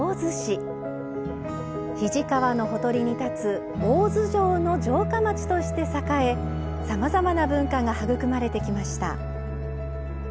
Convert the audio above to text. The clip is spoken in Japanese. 肱川のほとりに立つ「大洲城」の城下町として栄えさまざまな文化が育まれてきました。